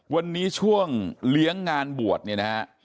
วันนี้ช่วงเลี้ยงงานบวชเนี่ยนะฮะ